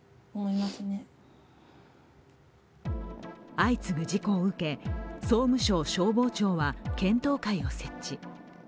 相次ぐ事故を受け、総務省消防庁は検討会を設置。